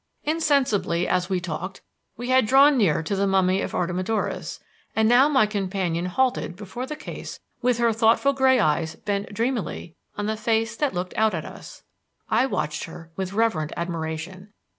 Insensibly, as we talked, we had drawn near to the mummy of Artemidorus, and now my companion halted before the case with her thoughtful gray eyes bent dreamily on the face that looked out at us. I watched her with reverent admiration.